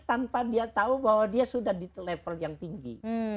tanpa dia tahu bahwa dia sudah di level yang tinggi